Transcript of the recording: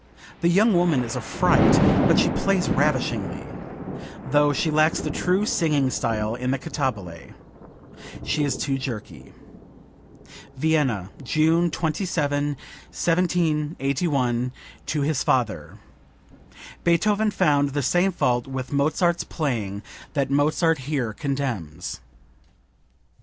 The young woman is a fright, but she plays ravishingly, though she lacks the true singing style in the cantabile; she is too jerky." (Vienna, June 27, 1781, to his father. Beethoven found the same fault with Mozart's playing that Mozart here condemns.)